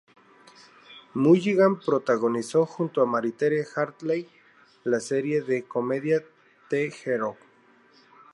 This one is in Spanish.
Mulligan protagonizó junto a Mariette Hartley, la serie de comedia "The Hero".